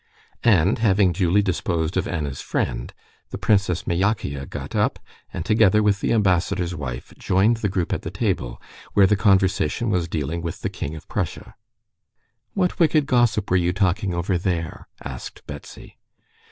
And having duly disposed of Anna's friend, the Princess Myakaya got up, and together with the ambassador's wife, joined the group at the table, where the conversation was dealing with the king of Prussia. "What wicked gossip were you talking over there?" asked Betsy.